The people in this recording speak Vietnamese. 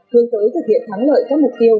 hướng tới thực hiện thắng lợi các mục tiêu